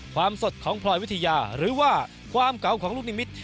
ความสดของพลอยวิทยาหรือว่าความเก่าของลูกนิมิตร